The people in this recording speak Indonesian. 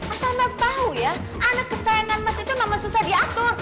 asal mas tau ya anak kesayangan mas itu memang susah diatur